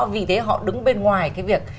vì thế họ đứng bên ngoài cái việc